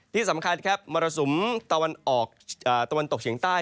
ที่สำคัญครับมรสุมตะวันออกตะวันตกเฉียงใต้